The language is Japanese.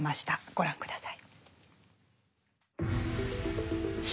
ご覧下さい。